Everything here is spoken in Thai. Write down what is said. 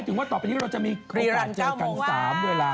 ถึงว่าต่อไปนี้เราจะมีโอกาสเจอกัน๓เวลา